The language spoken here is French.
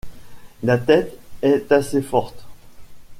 La tête est assez forte.